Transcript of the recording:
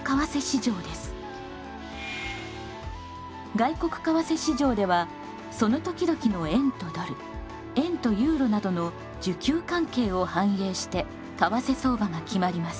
外国為替市場ではその時々の円とドル円とユーロなどの需給関係を反映して為替相場が決まります。